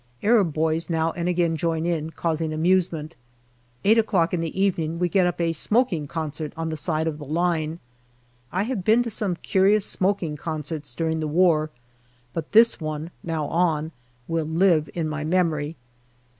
Arab boys now and again join in, causing amusement. Eight o'clock in the even ing we get up a smoking concert on the side of the line. 1 have been to some curious smoking concerts during the war, but this one (now on) will live in my memory.